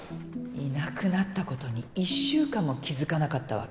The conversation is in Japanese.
いなくなったことに１週間も気付かなかったわけ？